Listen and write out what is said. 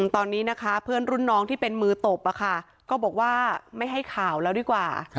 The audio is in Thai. ตอนนี้นะคะเพื่อนรุ่นน้องที่เป็นมือตบก็บอกว่าไม่ให้ข่าวแล้วดีกว่า